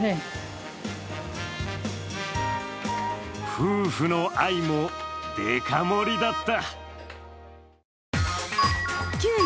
夫婦の愛もデカ盛りだった。